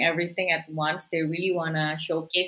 secara langsung mereka ingin menunjukkan